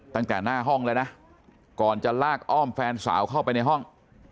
ตั้งแต่หน้าห้องแล้วนะก่อนจะลากอ้อมแฟนสาวเข้าไปในห้อง